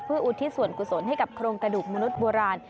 อุทิศส่วนกุศลให้กับโครงกระดูกมนุษย์โบราณ